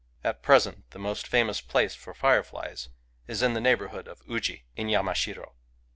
At pres ent the most famous place for fireflies is in the neighbourhood of Uji, in Yamashiro.